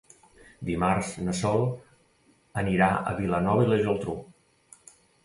Dimarts na Sol anirà a Vilanova i la Geltrú.